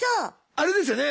あれですよね